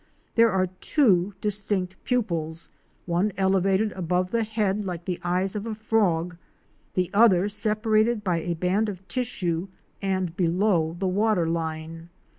There are two distinct pupils, one elevated above the head like the eyes of a frog, the other separated by a band of tissue and below the water line.